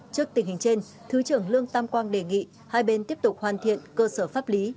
trước tình hình trên thứ trưởng lương tam quang đề nghị hai bên tiếp tục hoàn thiện cơ sở pháp lý